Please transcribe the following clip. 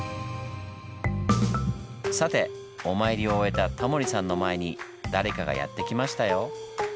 さてお参りを終えたタモリさんの前に誰かがやって来ましたよ。